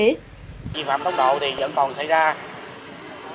nguyên nhân là do ý thức của người tham gia giao thông